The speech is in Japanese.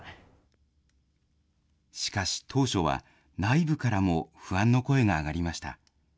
しかし、当初は内部からも不安の声が上がりました。